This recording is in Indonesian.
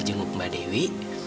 jenguk mbak dewi